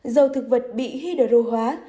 dầu thực vật bị hydro hóa